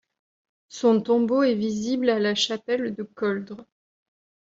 Son tombeau est visible à la chapelle de Coldres.